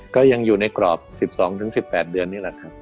ก็ยังอยู่ในกรอบ๑๒๑๘เดือนนี่แหละครับ